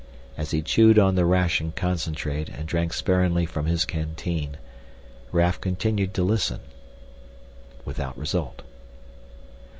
As he chewed on the ration concentrate and drank sparingly from his canteen, Raf continued to listen. Without result.